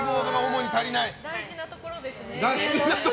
大事なところですね。